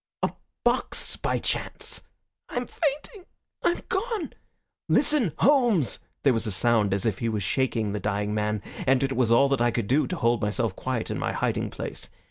"A box by chance?" "I'm fainting I'm gone!" "Listen, Holmes!" There was a sound as if he was shaking the dying man, and it was all that I could do to hold myself quiet in my hiding place.